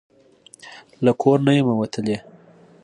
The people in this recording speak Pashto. له کور نه یمه وتلې